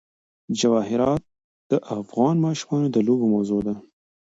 جواهرات د افغان ماشومانو د لوبو موضوع ده.